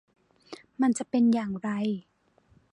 มันจะเป็นอย่างไร